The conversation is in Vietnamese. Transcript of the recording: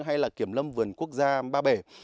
hay là kiểm lâm vườn quốc gia ba bể